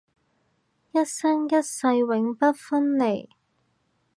一生一世永不分離